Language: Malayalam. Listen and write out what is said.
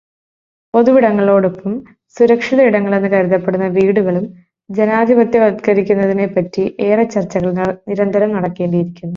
പൊതുവിടങ്ങളോടൊപ്പം 'സുരക്ഷിത' ഇടങ്ങളെന്ന് കരുതപ്പെടുന്ന വീടുകളും ജനാധിപത്യവത്ക്കരിക്കുന്നതിനെപ്പറ്റി ഏറെ ചർച്ചകൾ നിരന്തരം നടക്കേണ്ടിയിരിക്കുന്നു.